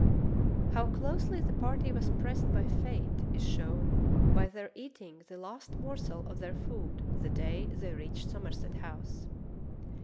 How closely the party was pressed by fate is shown by their eating the last morsel of their food the day they reached Somerset House.